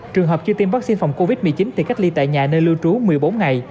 trường hợp chưa tiêm vaccine phòng covid một mươi chín thì cách ly tại nhà nơi lưu trú một mươi bốn ngày